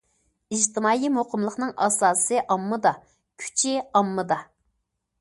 ئىجتىمائىي مۇقىملىقنىڭ ئاساسى ئاممىدا، كۈچى ئاممىدا.